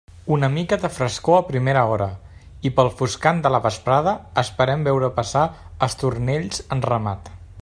Una mica de frescor a primera hora, i pel foscant de la vesprada esperem veure passar estornells en ramat.